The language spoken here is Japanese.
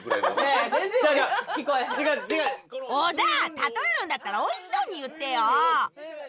例えるんだったらおいしそうに言ってよ